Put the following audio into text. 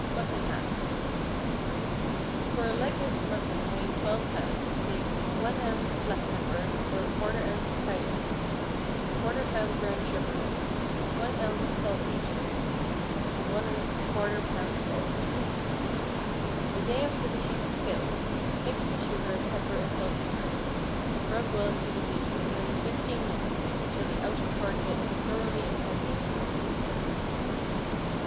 MUTTON HAM. For a leg of mutton weighing 12 lbs., take— 1 ounce of black pepper, or ½ ounce of cayenne, ¼ lb. brown sugar, 1 ounce saltpetre, 1¼ lb. salt. The day after the sheep is killed, mix the sugar, pepper, and saltpetre, and rub well into the meat for nearly fifteen minutes, until the outer part of it is thoroughly impregnated with the seasoning.